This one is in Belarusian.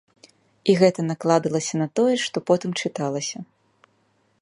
І гэта накладалася на тое, што потым чыталася.